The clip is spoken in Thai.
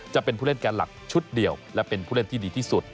จะเป็นผู้เล่นแกนหลักชุดเดียวและเป็นผู้เล่นที่ดีที่สุด